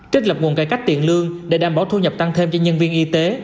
trích lập nguồn cải cách tiền lương để đảm bảo thu nhập tăng thêm cho nhân viên y tế